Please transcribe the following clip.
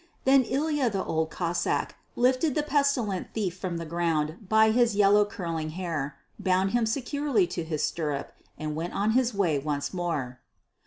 Then Ilya the Old Cossáck lifted the pestilent thief from the ground by his yellow curling hair, bound him securely to his stirrup, and went on his way once more.